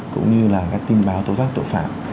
cũng như là cái tin báo tố giác tội phạm